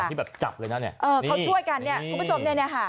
ที่แบบจับเลยนะเนี่ยเออเขาช่วยกันเนี่ยคุณผู้ชมเนี่ยเนี่ยค่ะ